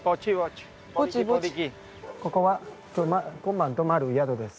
ここは今晩泊まる宿です。